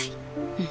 うん。